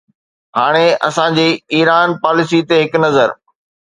هاڻي اسان جي ايران پاليسي تي هڪ نظر.